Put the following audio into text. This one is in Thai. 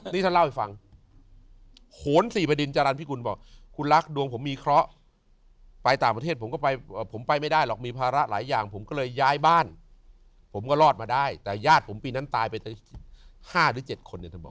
นี่ท่านเล่าให้ฟังโหนสี่บดินจรรย์พิกุลบอกคุณรักดวงผมมีเคราะห์ไปต่างประเทศผมก็ไปผมไปไม่ได้หรอกมีภาระหลายอย่างผมก็เลยย้ายบ้านผมก็รอดมาได้แต่ญาติผมปีนั้นตายไป๕หรือ๗คนเนี่ยท่านบอก